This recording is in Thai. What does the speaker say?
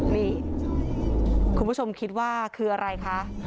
นี่คุณผู้ชมคิดว่าคืออะไรคะ